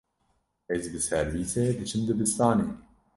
Ez bi serwîsê diçim dibistanê.